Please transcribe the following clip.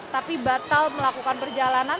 tapi batal melakukan perjalanan